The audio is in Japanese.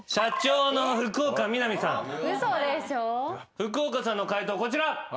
福岡さんの解答こちら。